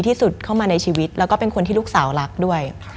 ที่สุดเข้ามาในชีวิตแล้วก็เป็นคนที่ลูกสาวรักด้วย